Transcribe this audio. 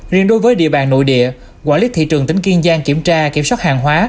riêng đối với địa bàn nội địa quản lý thị trường tỉnh kiên giang kiểm tra kiểm soát hàng hóa